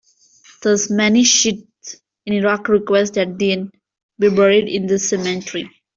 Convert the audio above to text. Thus, many Shiites in Iraq request that they be buried in this cemetery.